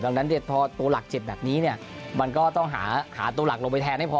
ดังนั้นพอตัวหลักเจ็บแบบนี้เนี่ยมันก็ต้องหาตัวหลักลงไปแทนให้พอ